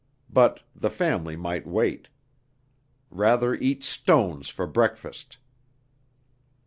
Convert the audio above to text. But the family might wait! Rather eat stones for breakfast!